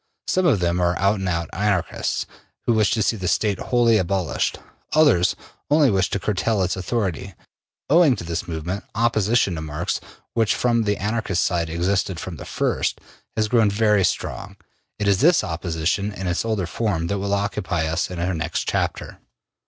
Some of them are out and out Anarchists, who wish to see the State wholly abolished; others only wish to curtail its authority. Owing to this movement, opposition to Marx, which from the Anarchist side existed from the first, has grown very strong. It is this opposition in its older form that will occupy us in our next chapter.